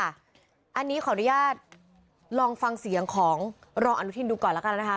อันนี้ขออนุญาตลองฟังเสียงของรองอนุทินดูก่อนแล้วกันนะคะ